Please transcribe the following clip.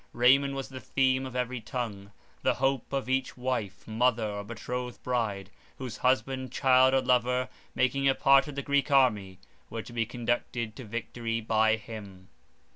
Raymond was the theme of every tongue, the hope of each wife, mother or betrothed bride, whose husband, child, or lover, making a part of the Greek army, were to be conducted to victory by him.